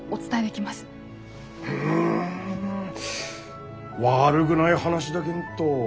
うん悪ぐない話だげんど。